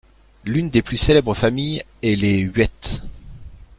L'une des plus célèbres familles est les Wyeths.